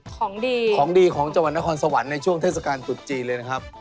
ของดีของดีของจังหวัดนครสวรรค์ในช่วงเทศกาลตรุษจีนเลยนะครับ